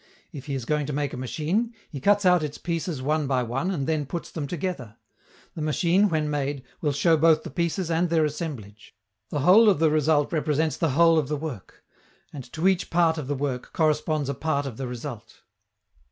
If he is going to make a machine, he cuts out its pieces one by one and then puts them together: the machine, when made, will show both the pieces and their assemblage. The whole of the result represents the whole of the work; and to each part of the work corresponds a part of the result.